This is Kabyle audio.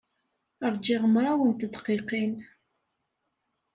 Ṛjiɣ mraw n tedqiqin.